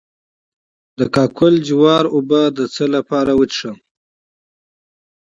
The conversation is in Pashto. د کاکل جوار اوبه د څه لپاره وڅښم؟